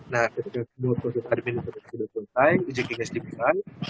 nah ketika semua proses admin sudah selesai uji kinesis dibesan